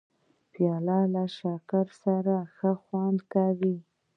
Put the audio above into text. پیاله له شکر سره ښه خوند کوي.